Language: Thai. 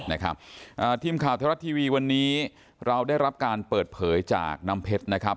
นะครับอ่าทีมข่าวไทยรัฐทีวีวันนี้เราได้รับการเปิดเผยจากน้ำเพชรนะครับ